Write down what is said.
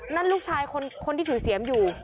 ลูกชายคนที่ถือเสียมอยู่